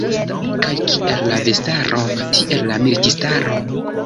Kaj kiel la vestaro, tiel la militistaro.